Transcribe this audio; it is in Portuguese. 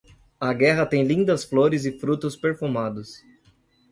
A guerra tem lindas flores e frutos perfumados.